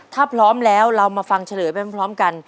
ถ้าพร้อมแล้วเรามาฟังกัน